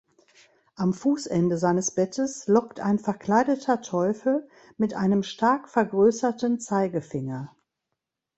Am Fußende seines Bettes lockt ein verkleideter Teufel mit einem stark vergrößerten Zeigefinger.